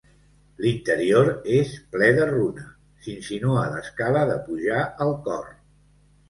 L'interior és ple de runa; s'insinua l'escala de pujar al cor.